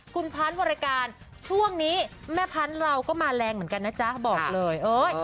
คุณพันธ์วรการช่วงนี้แม่พันธุ์เราก็มาแรงเหมือนกันนะจ๊ะบอกเลยเอ้ย